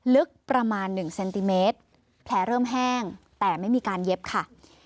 ลึกประมาณ๑เซนติเมตรแผลเริ่มแห้งแต่ไม่มีการเย็บค่ะ